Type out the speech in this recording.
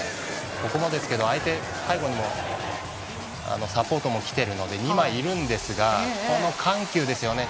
ここもですけど相手、背後サポートも来ているので２枚いるんですがこの緩急ですよね。